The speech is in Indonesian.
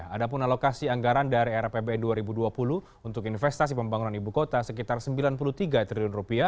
ada pun alokasi anggaran dari rapbn dua ribu dua puluh untuk investasi pembangunan ibu kota sekitar rp sembilan puluh tiga triliun